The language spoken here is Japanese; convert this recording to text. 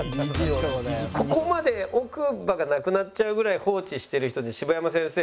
ここまで奥歯がなくなっちゃうぐらい放置してる人って柴山先生